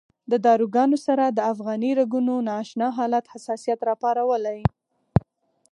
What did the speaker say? د داروګانو سره د افغاني رګونو نا اشنا حالت حساسیت راپارولی.